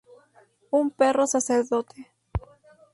Un perro sacerdote.